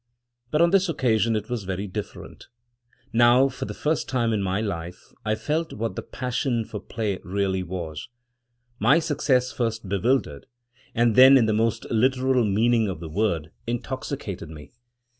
But on this occasion it was very different — now, for the first time in my life, I felt what the passion for play really was. My success first bewildered, and then, in the most literal meaning of the word, intoxicated me.